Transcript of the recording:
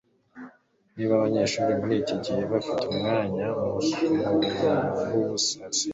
niba abanyeshuri muri iki gihe bafite umwanya wubusa sinzi